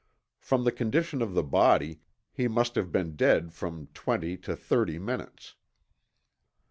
From the condition of the body he must have been dead from twenty to thirty minutes.